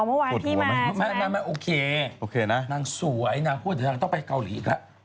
อ๋อเมื่อวานพี่มาใช่ไหมครับโอเคนะนางสวยนะพวกเธอต้องไปเกาหลีอีกแล้ว